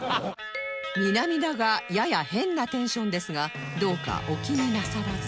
南田がやや変なテンションですがどうかお気になさらず